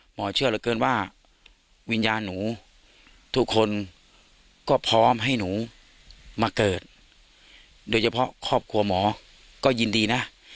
หมอเชื่อเหลือเกินว่าวิญญาณหนูทุกคนก็พร้อมให้หนูมาเกิดโดยเฉพาะครอบครัวหมอก็ยินดีนะ